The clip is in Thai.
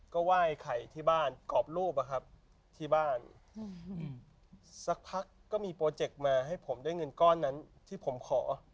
ก็ไหว้ไข่ที่บ้านกรอบรูปอะครับที่บ้านสักพักก็มีโปรเจกต์มาให้ผมได้เงินก้อนนั้นที่ผมขอ